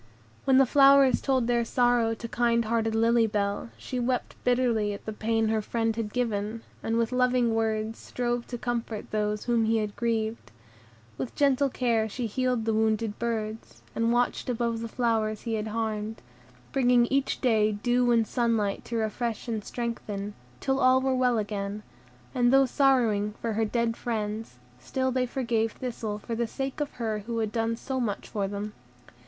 When the flowers told their sorrow to kind hearted Lily Bell, she wept bitterly at the pain her friend had given, and with loving words strove to comfort those whom he had grieved; with gentle care she healed the wounded birds, and watched above the flowers he had harmed, bringing each day dew and sunlight to refresh and strengthen, till all were well again; and though sorrowing for their dead friends, still they forgave Thistle for the sake of her who had done so much for them.